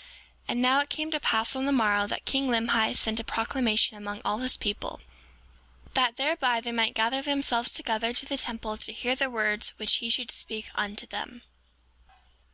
7:17 And now, it came to pass on the morrow that king Limhi sent a proclamation among all his people, that thereby they might gather themselves together to the temple to hear the words which he should speak unto them.